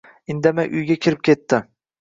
Indamay uyga kirib ketdim.